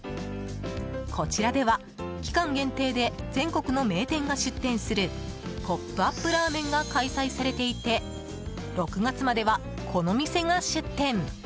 こちらでは期間限定で全国の名店が出店するＰＯＰＵＰラーメンが開催されていて６月まではこの店が出店。